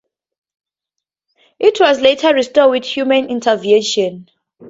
It was later restored with human intervention.